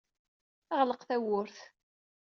Ɣleq tawwurt.